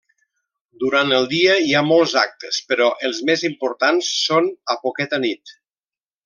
Durant el dia hi ha molts actes però els més importants són a poqueta nit.